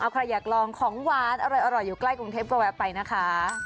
ใครอยากลองของหวานอร่อยอยู่ใกล้กรุงเทพก็แวะไปนะคะ